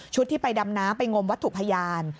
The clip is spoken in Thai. ชุดที่ไปดำนะไปงมวัตถุพยาน